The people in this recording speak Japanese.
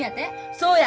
そうや。